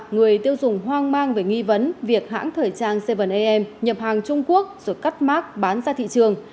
người tiêu dùng hoang mang về nghi vấn việc hãng thời trang seven am nhập hàng trung quốc rồi cắt mát bán ra thị trường